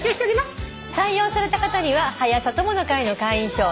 採用された方には「はや朝友の会」の会員証そして。